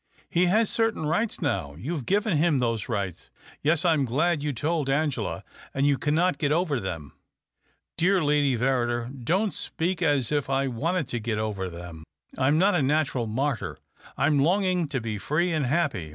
" He has certain rights now. You have given him those rights — yes, I am glad you told Angela — and you cannot get over them." " Dear Lady Verrider, don't speak as if I wanted to get over them. I'm not a natural martyr. I'm longing to he free and happy.